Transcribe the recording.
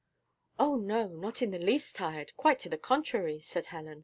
"Oh no, not in the least tired; quite the contrary," said Helen.